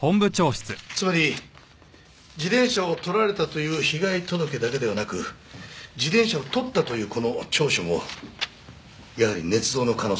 つまり自転車を盗られたという被害届だけではなく自転車を盗ったというこの調書もやはり捏造の可能性があります。